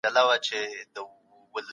همدا سادګي لوستونکی نیسي.